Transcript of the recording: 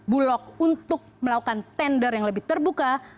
bulog untuk melakukan tender yang lebih terbuka